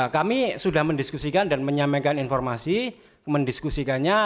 kami sudah mendiskusikan dan menyampaikan informasi mendiskusikannya